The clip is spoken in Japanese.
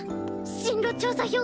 進路調査票